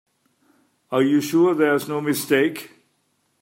Are you sure there's no mistake?